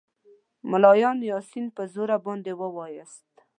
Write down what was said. ملایانو یاسین په زوره باندې ووایاست.